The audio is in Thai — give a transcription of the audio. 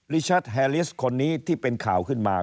ชัดแฮลิสคนนี้ที่เป็นข่าวขึ้นมา